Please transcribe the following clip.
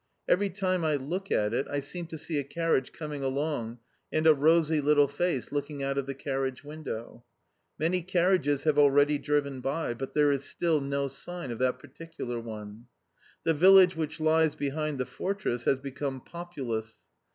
Every time I look at it, I seem to see a carriage coming along and a rosy little face looking out of the carriage window. Many carriages have already driven by but still there is no sign of that particular one. The village which lies behind the fortress has become populous.